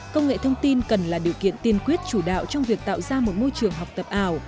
công nghệ thông tin cần là điều kiện tiên quyết chủ đạo trong việc tạo ra một môi trường học tập ảo